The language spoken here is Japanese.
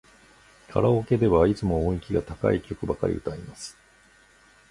カラオケではいつも音域が高い曲ばかり歌います。